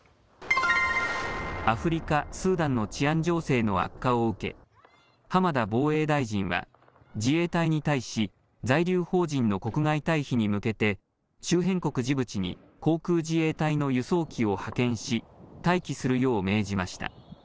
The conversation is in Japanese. アフリカ・スーダンの治安情勢の悪化を受け浜田防衛大臣は自衛隊に対し在留邦人の国外退避に向けて周辺国ジブチに航空自衛隊の輸送機を派遣し待機するよう命じました。